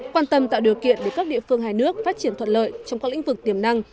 quan tâm tạo điều kiện để các địa phương hai nước phát triển thuận lợi trong các lĩnh vực tiềm năng